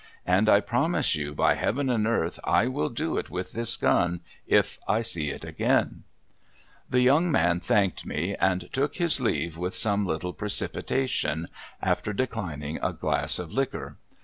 And I promise you, by Heaven and earth, I will do it with this gun if I see it again !' The young man thanked me, and took his leave with some little precipitation, after declining a glass of liquor.